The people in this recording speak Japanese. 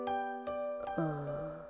ああ。